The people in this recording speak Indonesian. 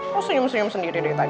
kok senyum senyum sendiri dari tadi